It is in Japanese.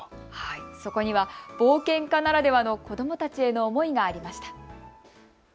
そこには冒険家ならではの子どもたちへの思いがありました。